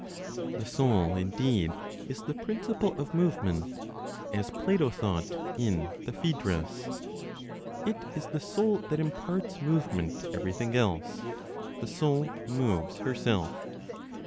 The soul, indeed, is the principle of movement (as Plato thought, in the Phaedrus); it is the soul that imparts movement to everything else; the soul moves herself.